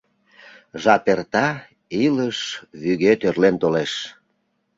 Жап эрта — илыш вӱге тӧрлен толеш.